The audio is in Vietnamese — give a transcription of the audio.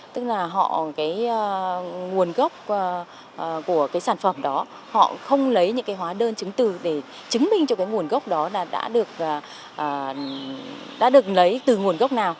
tức là họ cái nguồn gốc của cái sản phẩm đó họ không lấy những cái hóa đơn chứng từ để chứng minh cho cái nguồn gốc đó là đã được lấy từ nguồn gốc nào